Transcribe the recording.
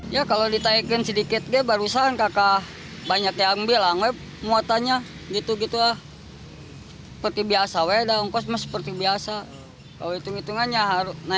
yang ngambil dari bank sih